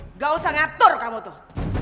nggak usah ngatur kamu tuh